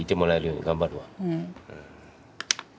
うん。